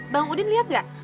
bang udin liat gak